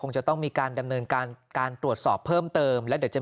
จะต้องมีการดำเนินการการตรวจสอบเพิ่มเติมแล้วเดี๋ยวจะ